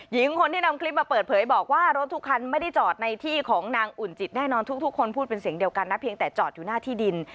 หญิงคนที่นำคลิปมาเปิดเผยบอกว่ารถทุกคันไม่ได้จอดในที่ของนางอุ่นจิตแน่นอนทุกคนพูดเป็นเสียงเดียวกันนะเพียงแต่จอดอยู่หน้าที่ดิน